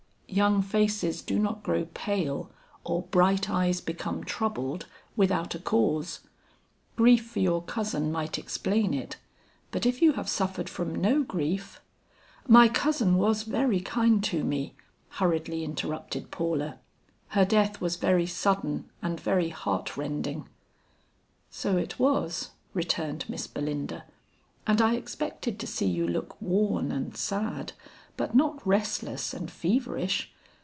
"Young faces do not grow pale or bright eyes become troubled without a cause. Grief for your cousin might explain it, but if you have suffered from no grief " "My cousin was very kind to me," hurriedly interrupted Paula. "Her death was very sudden and very heart rending." "So it was;" returned Miss Belinda, "and I expected to see you look worn and sad but not restless and feverish.